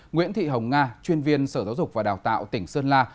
nguyễn thị hồng nga chuyên viên sở giáo dục và đào tạo tỉnh sơn la